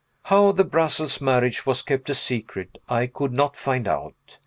How the Brussels marriage was kept a secret, I could not find out.